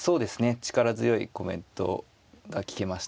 力強いコメントが聞けました。